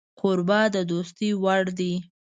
کوربه د دوستۍ وړ دی